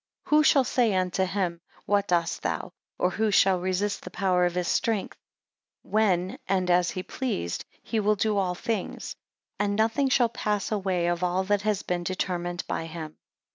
14 Who shall say unto him, what dost thou? or who shall resist the power of his strength? 15 When, and as he pleased, he will do all things; and nothing shall pass away of all that has been determined by him.